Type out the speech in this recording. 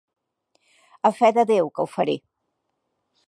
A fe de Déu, que ho faré!